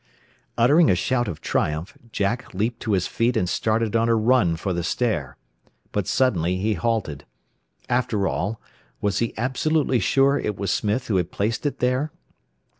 Uttering a shout of triumph, Jack leaped to his feet and started on a run for the stair. But suddenly he halted. After all, was he absolutely sure it was Smith who had placed it there?